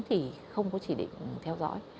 thì không có chỉ định theo dõi